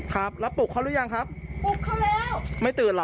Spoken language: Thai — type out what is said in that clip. ครับแล้วปลุกเขาหรือยังครับปลุกเขาแล้วไม่ตื่นเหรอ